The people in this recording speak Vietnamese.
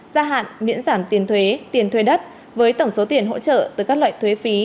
gia hạn miễn giảm tiền thuế tiền thuê đất với tổng số tiền hỗ trợ từ các loại thuế phí